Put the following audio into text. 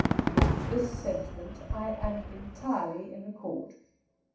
With this sentiment I am entirely in accord.